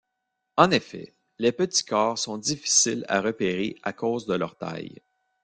En effet, les petits corps sont difficiles à repérer à cause de leur taille.